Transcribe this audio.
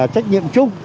trách nhiệm chung